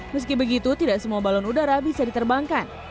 meski begitu tidak semua balon udara bisa diterbangkan